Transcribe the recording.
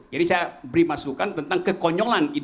jadi saya beri masukan tentang kekonyolan itu